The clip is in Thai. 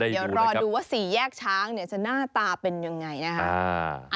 เดี๋ยวรอดูว่าสี่แยกช้างจะหน้าตาเป็นยังไงนะคะ